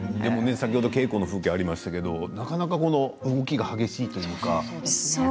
先ほど稽古風景がありましたけれど、動きがなかなか激しいというか。